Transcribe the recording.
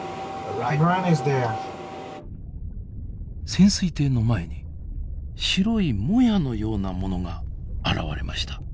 潜水艇の前に白いもやのようなものが現れました。